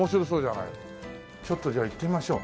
ちょっとじゃあ行ってみましょう。